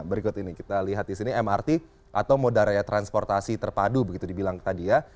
berikut ini kita lihat di sini mrt atau moda raya transportasi terpadu begitu dibilang tadi ya